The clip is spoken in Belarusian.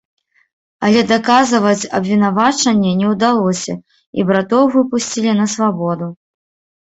Але даказаць абвінавачанне не ўдалося, і братоў выпусцілі на свабоду.